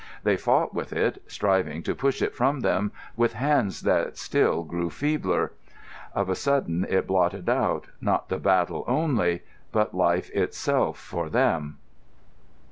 They fought with it, striving to push it from them with hands that still grew feebler. Of a sudden it blotted out, not the battle only, but life itself for them.